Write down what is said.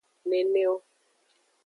Neneo.